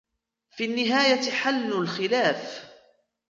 في النهاية حل الخلاف.